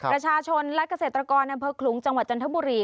ประชาชนและเกษตรกรอำเภอคลุงจังหวัดจันทบุรี